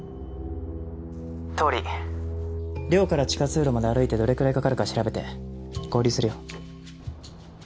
倒理寮から地下通路まで歩いてどれくらいかかるか調べて合流するよ。